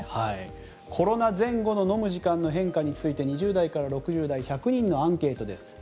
コロナ前後の飲む時間の変化について２０代から６０代１００人のアンケートです。